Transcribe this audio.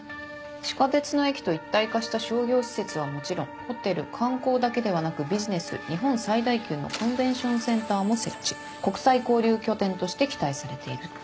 地下鉄の駅と一体化した商業施設はもちろんホテル観光だけではなくビジネス日本最大級のコンベンションセンターも設置国際交流拠点として期待されているって。